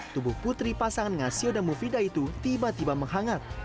tubuh putri pasangan ngasio dan mufida itu tiba tiba menghangat